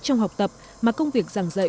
trong học tập mà công việc giảng dạy